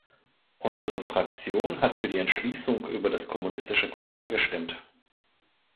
Unsere Fraktion hat für die Entschließung über das kommunistische Korea gestimmt.